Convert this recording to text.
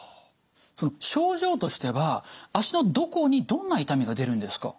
その症状としては足のどこにどんな痛みが出るんですか？